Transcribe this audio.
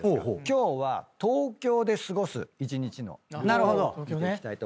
今日は東京で過ごす一日のルーティンを見ていきたいと思います。